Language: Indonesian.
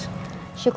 terima kasih bu andi